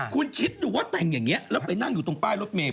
คุณคิดดูว่าแต่งอย่างนี้แล้วไปนั่งอยู่ตรงป้ายรถเมฆ